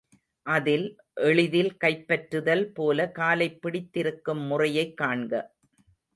அதில் எளிதில் கைப்பற்றுதல் போல காலைப் பிடித்திருக்கும் முறையைக் காண்க.